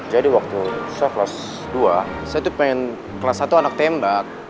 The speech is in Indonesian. jadi waktu saya kelas dua saya tuh pengen kelas satu anak tembak